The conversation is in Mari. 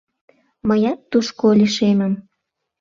Мыят тушко лишемым.